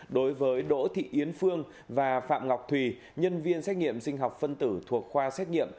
đối với đỗ thị yến phương và phạm ngọc thùy nhân viên xét nghiệm sinh học phân tử thuộc khoa xét nghiệm